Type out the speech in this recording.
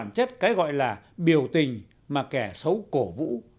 đồng thời chỉ rõ bản chất cái gọi là biểu tình mà kẻ xấu cổ vũ